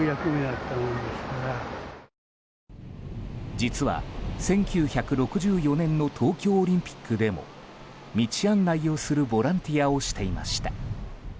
実は１９６４年の東京オリンピックでも道案内をするボランティアをしていました。